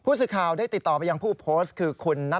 ผู้สื่อข่าวได้ติดต่อไปยังผู้โพสต์คือ